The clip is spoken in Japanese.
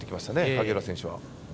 影浦選手は。